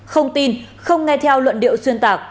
không tin không nghe theo luận điệu xuyên tạc